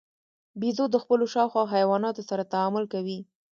بیزو د خپلو شاوخوا حیواناتو سره تعامل کوي.